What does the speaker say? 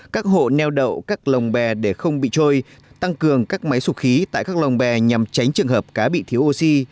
các hộ neo đậu các lồng bè để không bị trôi tăng cường các máy sụp khí tại các lồng bè nhằm tránh trường hợp cá bị thiếu oxy